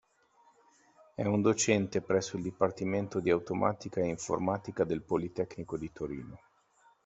È un docente presso il Dipartimento di Automatica e Informatica del Politecnico di Torino.